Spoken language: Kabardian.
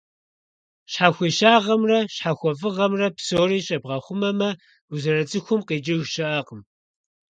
Щхьэхуещагъэмрэ щхьэхуэфӀыгъэмрэ псори щӀебгъэхъумэмэ, узэрыцӀыхум къикӀыж щыӀэкъым.